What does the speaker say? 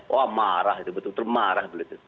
wah marah itu betul betul marah